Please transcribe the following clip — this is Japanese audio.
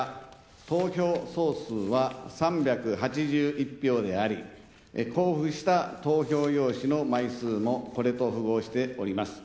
投票総数は３８１票であり交付した投票用紙の枚数も、これと符合しております。